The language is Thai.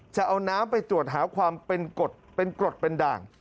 จะเอาน้ำไปตรวจหาความเป็นกรดเป็นกรดเป็นด่าง